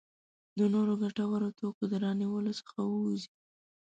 د نورو ګټورو توکو د رانیولو څخه ووځي.